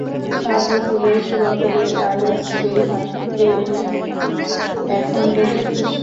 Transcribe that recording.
সাত বছর বয়সী ভক্ত অ্যালেক্স সেই হাত পেয়ে এখন বেজায় খুশি।